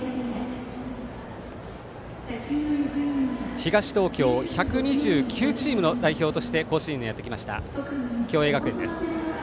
東東京１２９チームの代表として甲子園にやってきました共栄学園です。